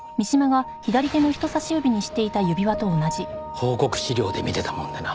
報告資料で見てたもんでな。